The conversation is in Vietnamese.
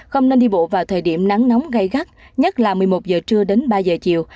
không nên đi bộ vào thời điểm nắng nóng gây gắt nhất là một mươi một giờ trưa đến ba giờ chiều